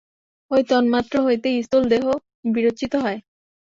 ঐ তন্মাত্র হইতে স্থূল দেহ বিরচিত হয়।